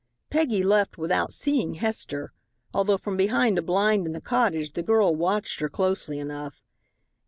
Peggy left without seeing Hester, although from behind a blind in the cottage, the girl watched her closely enough.